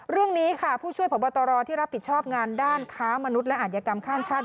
เรื่องนี้ค่ะผู้ช่วยพบตรที่รับผิดชอบงานด้านค้ามนุษย์และอาจยกรรมข้ามชาติ